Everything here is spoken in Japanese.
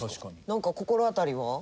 なんか心当たりは？